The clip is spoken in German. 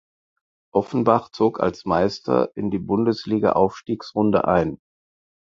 Offenbach zog als Meister in die Bundesligaaufstiegsrunde ein.